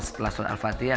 setelah surat al fatihah